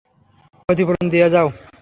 ক্ষতিপূরণ দিয়া যাও।